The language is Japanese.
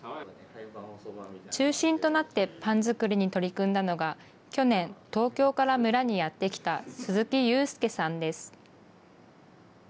中心となってパン作りに取り組んだのが、去年、東京から村にやって来た鈴木雄祐さんです。